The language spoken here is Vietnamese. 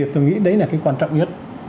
tôi nghĩ đấy là cái quan trọng nhất